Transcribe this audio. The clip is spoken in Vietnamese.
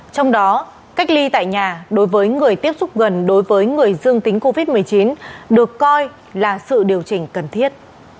trong đó cách ly tại nhà đối với người tiếp xúc gần đối với người dương tính covid một mươi chín được coi là sự điều chỉnh cần thiết